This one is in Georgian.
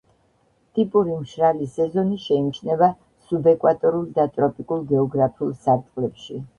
ტიპური მშრალი სეზონი შეიმჩნევა სუბეკვატორულ და ტროპიკულ გეოგრაფიულ სარტყლებში.